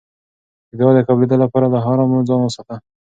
د دعا د قبلېدو لپاره له حرامو ځان وساته.